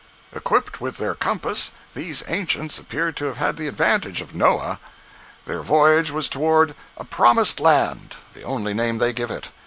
Equipped with their compass, these ancients appear to have had the advantage of Noah. Their voyage was toward a "promised land"—the only name they give it.